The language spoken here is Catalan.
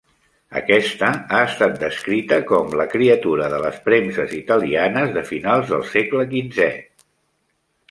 Aquesta ha estat descrita com "la criatura de les premses italianes de finals del segle XV".